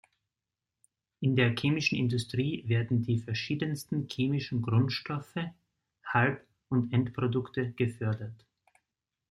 In der chemischen Industrie werden die verschiedensten chemischen Grundstoffe, Halb- und Endprodukte gefördert.